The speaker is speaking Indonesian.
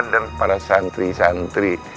dan para santri santri